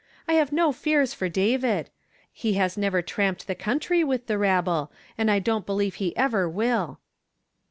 I have no fears for David. He has never tramped the country with the rabble, and I don't believe he ever will."